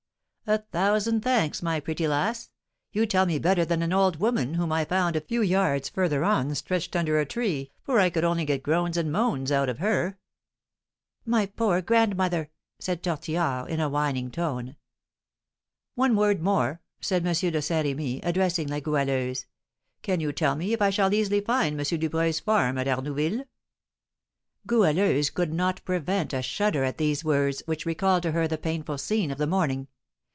"A thousand thanks, my pretty lass! You tell me better than an old woman, whom I found a few yards further on stretched under a tree, for I could only get groans and moans out of her." "My poor grandmother!" said Tortillard, in a whining tone. "One word more," said M. de Saint Rémy, addressing La Goualeuse. "Can you tell me if I shall easily find M. Dubreuil's farm at Arnouville?" Goualeuse could not prevent a shudder at these words, which recalled to her the painful scene of the morning.